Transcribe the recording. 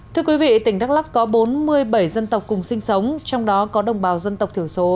thưa quý vị tỉnh đắk lắc có bốn mươi bảy dân tộc cùng sinh sống trong đó có đồng bào dân tộc thiểu số